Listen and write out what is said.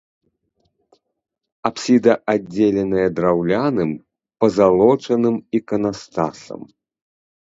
Апсіда аддзеленая драўляным пазалочаным іканастасам.